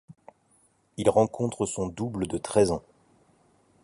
Il rencontre son double de treize ans.